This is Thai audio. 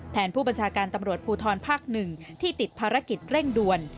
ผู้บัญชาการตำรวจภูทรภาค๑ที่ติดภารกิจเร่งด่วน